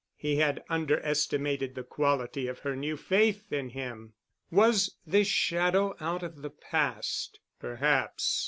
He had underestimated the quality of her new faith in him. Was this shadow out of the past? Perhaps.